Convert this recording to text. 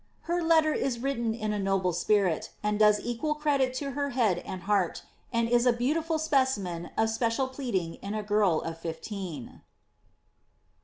Her letter is written in a noble spirit, and does equal credit to her head and heart, and is a beautiful specimen of special pleading in a girl of fifteen.